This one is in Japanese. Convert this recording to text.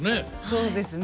そうですね。